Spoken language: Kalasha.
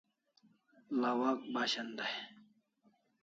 Lawak Bashan day